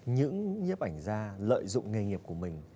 những nhiếp ảnh ra lợi dụng nghề nghiệp của mình